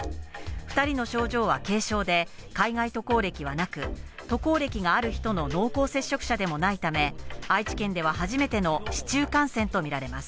２人の症状は軽症で、海外渡航歴はなく、渡航歴がある人の濃厚接触者でもないため、愛知県では初めての市中感染と見られます。